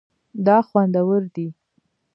دا خوندور دی